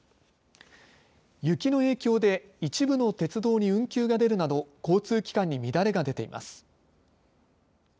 雪の影響で一部の鉄道に運休が出るなど交通機関に乱れが出ています。